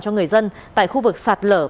cho người dân tại khu vực sạt lở